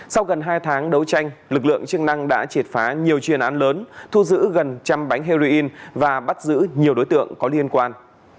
sau gần hai tháng đấu tranh lực lượng chức năng đã triệt phá nhiều chuyên án lớn thu giữ gần một trăm linh bánh harry in và bắt giữ nhiều đối tượng có liên quan